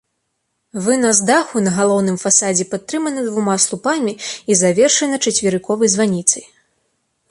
Вынас даху на галоўным фасадзе падтрыманы двума слупамі і завершаны чацверыковай званіцай.